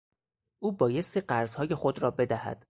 او بایستی قرضهای خود را بدهد.